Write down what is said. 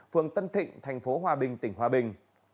phường tân thịnh thành phố hòa bình tỉnh hòa bình